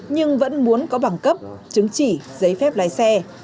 nhưng vẫn muốn có bằng cấp chứng chỉ giấy phép lái xe